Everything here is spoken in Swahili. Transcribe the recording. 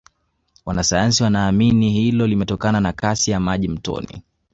wanasayansi wanaamini hilo limetokana na Kasi ya maji mtoni